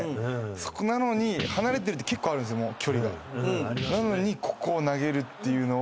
なのに離れてるって結構あるんですよ距離が。